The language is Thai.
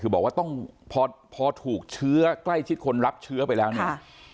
คือบอกว่าต้องพอถูกเชื้อใกล้ชิดคนรับเชื้อไปแล้วเนี่ย